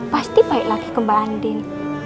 pasti baik lagi ke mbak andin